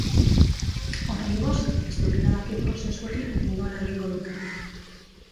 Oraingoz ez dute erabaki prozesu hori nola egingo duten.